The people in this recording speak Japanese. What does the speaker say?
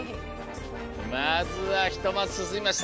まずは１マスすすみました。